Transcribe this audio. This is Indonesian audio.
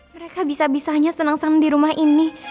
mereka bisa bisanya seneng seneng di rumah ini